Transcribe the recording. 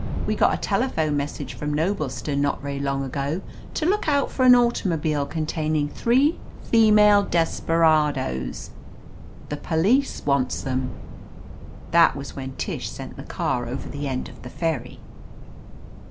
We got a telephone message from Noblestown not very long ago to look out for an automobile containing three female des^ peradoes. The police wants them." That was when Tish sent the car over the end of the ferry.